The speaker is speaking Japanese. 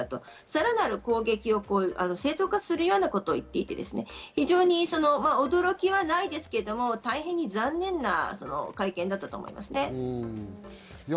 さらなる攻撃を正当化するようにいっていて驚きはないですけれども大変に残念な会見だったと思います。